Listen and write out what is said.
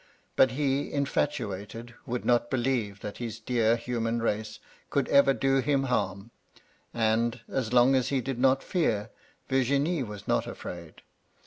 But he, infatuated, would not believe that his dear Human Bax^e could ever do him harm ; and, as long as he did not fear, Virginie was not afraid.